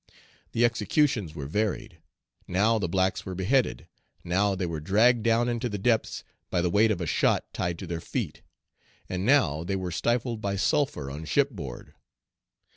The executions were varied: now the blacks were beheaded, now they were dragged down into the depths by the weight of a shot tied to their feet; and now they were stifled by sulphur on shipboard.